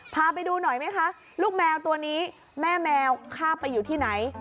พาไปดูหน่อยไหมคะลูกแมวตัวนี้แม่แมวข้าบไปอยู่ที่ไหน